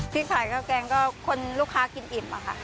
ที่ขายข้าวแกงก็คนลูกค้ากินอิ่มอะค่ะ